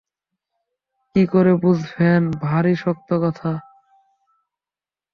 কী করে বুঝবেন– ভারী শক্ত কথা।